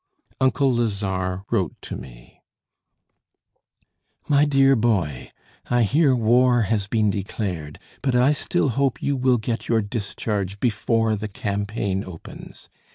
Uncle Lazare wrote to me: "My Dear Boy, I hear war has been declared; but I still hope you will get your discharge before the campaign opens.